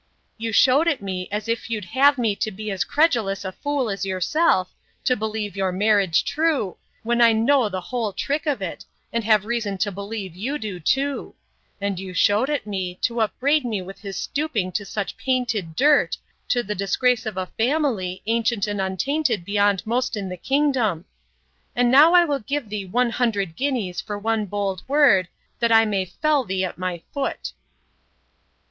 —You shewed it me, as if you'd have me to be as credulous a fool as yourself, to believe your marriage true, when I know the whole trick of it, and have reason to believe you do too; and you shewed it me, to upbraid me with his stooping to such painted dirt, to the disgrace of a family, ancient and untainted beyond most in the kingdom. And now will I give thee one hundred guineas for one bold word, that I may fell thee at my foot!